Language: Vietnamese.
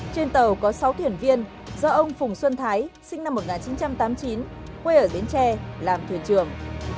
trên tàu có sáu thuyền viên do ông phùng xuân thái sinh năm một nghìn chín trăm tám mươi chín quê ở bến tre làm thuyền trưởng